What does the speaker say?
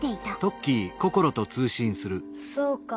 そうか。